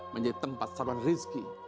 menjadi tempat saluran rizki